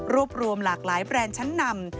รวมหลากหลายแบรนด์ชั้นนำ